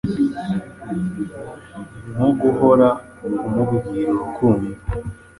nko guhora umubwira urukundo